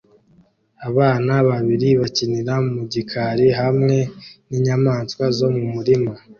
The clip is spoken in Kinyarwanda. Abana babiri bakinira mu gikari hamwe n’inyamaswa zo mu murima